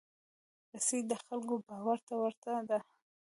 رسۍ د خلکو باور ته ورته ده.